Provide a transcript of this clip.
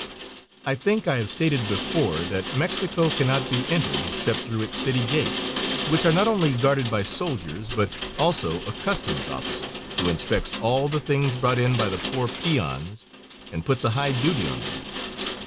I think I have stated before that Mexico cannot be entered except through its city gates, which are not only guarded by soldiers, but also a customs officer, who inspects all the things brought in by the poor peons and puts a high duty on them.